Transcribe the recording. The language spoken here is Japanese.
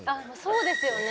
そうですよね。